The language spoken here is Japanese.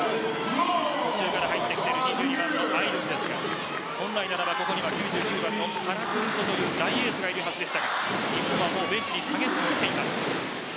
途中から入ってきている２２番のアイドゥンですが本来ここには９９番のカラクルトという大エースがいるはずでしたがカラクルトは今、ベンチに下がっています。